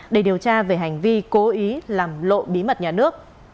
để điều tra về hành vi cố ý làm lộ bí mật nhà nước